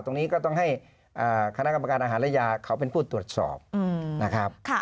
ตรงนี้ก็ต้องให้คณะกรรมการอาหารและยาเขาเป็นผู้ตรวจสอบนะครับ